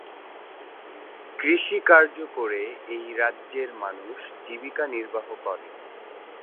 কৃষি কার্য করে এই রাজ্যের মানুষ জীবিকা নির্বাহ করে।